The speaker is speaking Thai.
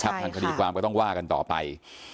ทางคดีความก็ต้องว่ากันต่อไป